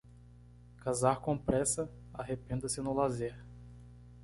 Casar com pressa, arrependa-se no lazer.